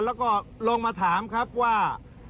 แล้วก็ลงมาถามว่า